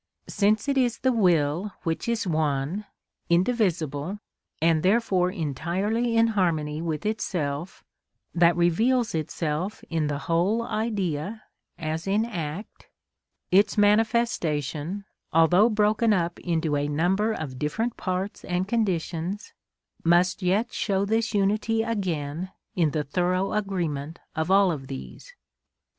Since it is the will which is one, indivisible, and therefore entirely in harmony with itself, that reveals itself in the whole Idea as in act, its manifestation, although broken up into a number of different parts and conditions, must yet show this unity again in the thorough agreement of all of these.